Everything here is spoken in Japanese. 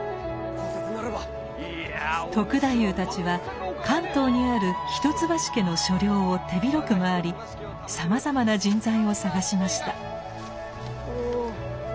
篤太夫たちは関東にある一橋家の所領を手広く回りさまざまな人材を探しました。